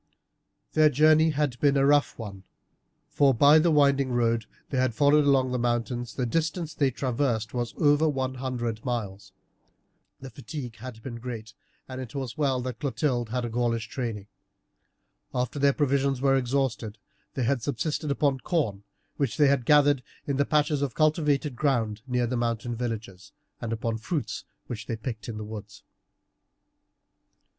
Their journey had been a rough one, for, by the winding road they had followed along the mountains, the distance they traversed was over one hundred miles. The fatigue had been great, and it was well that Clotilde had had a Gaulish training. After their provisions were exhausted they had subsisted upon corn which they gathered in the patches of cultivated ground near the mountain villages, and upon fruits which they picked in the woods.